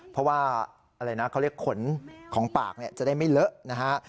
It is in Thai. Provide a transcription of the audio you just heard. เพราะว่าเขาเรียกขนของปากจะได้ไม่เหลือ